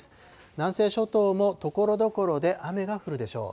南西諸島もところどころで雨が降るでしょう。